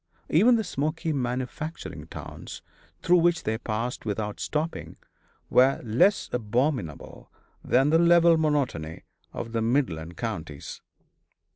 Even the smoky manufacturing towns through which they passed without stopping, were less abominable than the level monotony of the Midland counties.